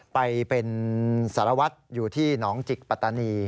ไปเป็นสารวัตรอยู่ที่หนองจิกปัตตานี